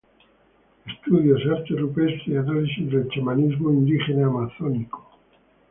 Estudios: Arte Rupestre y análisis del chamanismo indígena amazónico.